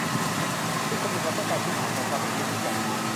ทุกคนมีความต้องการพื้นฐานของความเป็นมนุษย์เหมือนกัน